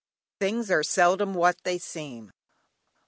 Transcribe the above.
"Things are seldom what they seem" "H.